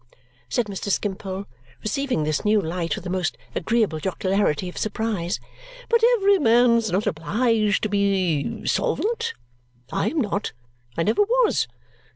said Mr. Skimpole, receiving this new light with a most agreeable jocularity of surprise. "But every man's not obliged to be solvent? I am not. I never was.